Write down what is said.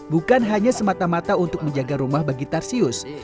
bukan hanya semata mata untuk menjaga rumah bagi tarsius